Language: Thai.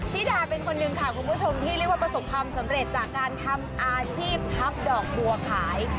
พี่ดาเป็นคนหนึ่งค่ะคุณผู้ชมที่เรียกว่าประสบความสำเร็จจากการทำอาชีพพับดอกบัวขาย